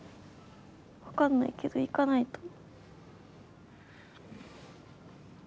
分かんないけど行かないと。